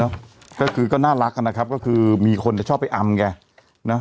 เนอะก็คือก็น่ารักอะนะครับก็คือมีคนที่ชอบไปอำแกเนอะ